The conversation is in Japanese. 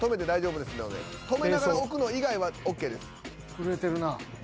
震えてるなぁ。